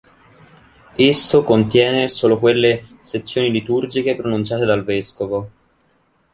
Esso contiene solo quelle sezioni liturgiche pronunciate dal vescovo.